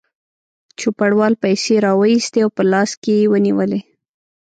چوپړوال پیسې راوایستې او په لاس کې یې ونیولې.